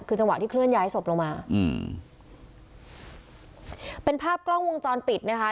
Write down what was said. คือจังหวะที่เคลื่อนย้ายศพลงมาอืมเป็นภาพกล้องวงจรปิดนะคะ